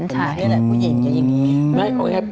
ใช่แหละผู้หญิงกับอย่างนี้